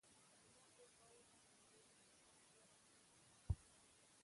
چې دا پرې پايي او په هغو کې حرکت، وده، تنفس